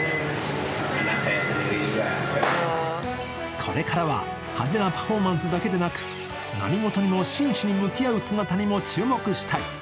これからは派手なパフォーマンスだけでなく何事にも真摯に向き合う姿にも注目したい。